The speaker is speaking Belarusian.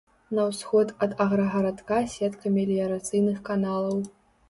На ўсход ад аграгарадка сетка меліярацыйных каналаў.